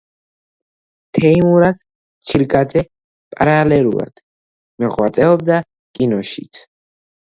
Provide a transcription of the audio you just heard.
თეიმურაზ ჩირგაძე პარალელურად მოღვაწეობდა კინოშიც.